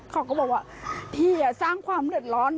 เขาก็บอกว่าพี่สร้างความเดือดร้อน